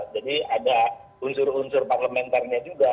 jadi ada unsur unsur parlementarnya juga